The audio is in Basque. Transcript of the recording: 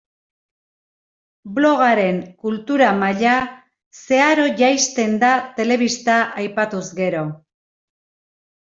Blogaren kultura maila zeharo jaisten da telebista aipatuz gero.